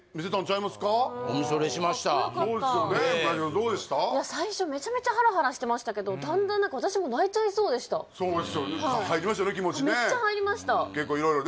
いや最初めちゃめちゃハラハラしてましたけどだんだん私も泣いちゃいそうでした入りましたよね